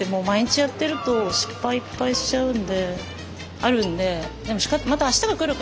あるんで。